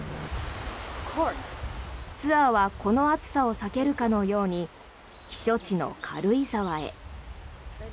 ツアーはこの暑さを避けるかのように避暑地の軽井沢へ。